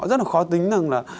rất là khó tính rằng là